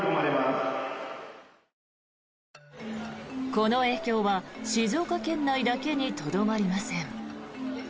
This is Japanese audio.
この影響は静岡県内だけにとどまりません。